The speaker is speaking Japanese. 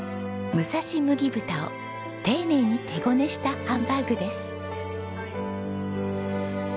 むさし麦豚を丁寧に手ごねしたハンバーグです。